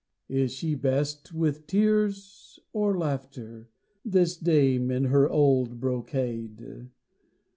Is she best with tears or laughter, This dame in her old brocade?